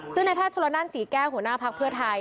ซึ่งในภาคชุลนั่นสีแก้วหัวหน้าภาคเพื่อไทย